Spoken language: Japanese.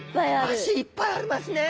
脚いっぱいありますね。